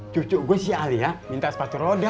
cucuk gue si alia minta sepatu roda